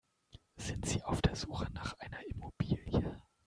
Sind Sie auf der Suche nach einer Immobilie?